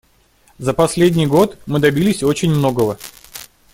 За последний год мы добились очень многого.